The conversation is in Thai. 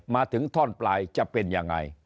มาถึงท่อนปลายจะเป็นยังไง